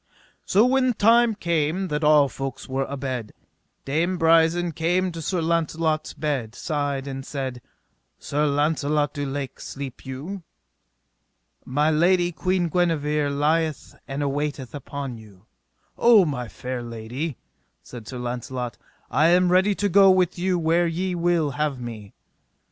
So when time came that all folks were abed, Dame Brisen came to Sir Launcelot's bed's side and said: Sir Launcelot du Lake, sleep you? My lady, Queen Guenever, lieth and awaiteth upon you. O my fair lady, said Sir Launcelot, I am ready to go with you where ye will have me.